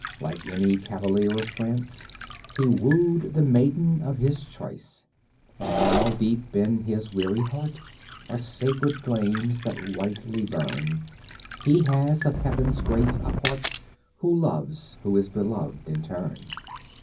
Like any cavalier of France He wooed the maiden of his choice. And now deep in his weary heart Are sacred flames that whitely burn. He has of Heaven's grace a part Who loves, who is beloved in turn.